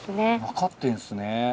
分かってんですね。